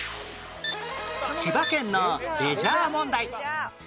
千葉県のレジャー問題